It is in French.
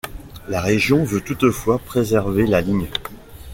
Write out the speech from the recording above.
La Région veut toutefois préserver la ligne.